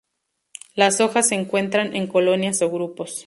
Las hojas se encuentran en colonias o grupos.